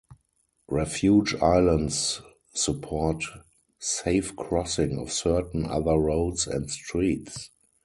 Refuge islands support safe crossing of certain other roads and streets.